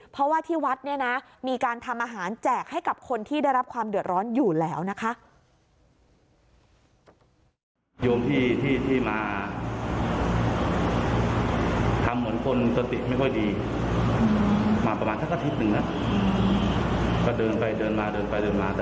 เพราะว่าที่วัดเนี่ยนะมีการทำอาหารแจกให้กับคนที่ได้รับความเดือดร้อนอยู่แล้วนะคะ